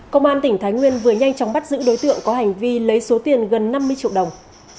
công an tỉnh thái nguyên vừa nhanh chóng bắt giữ đối tượng có hành vi lấy số tiền gần năm mươi triệu đồng